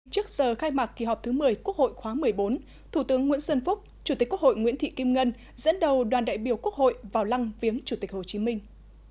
trước giờ khai mạc kỳ họp thứ một mươi quốc hội khóa một mươi bốn thủ tướng nguyễn xuân phúc chủ tịch quốc hội nguyễn thị kim ngân dẫn đầu đoàn đại biểu quốc hội vào lăng viếng chủ tịch hồ chí minh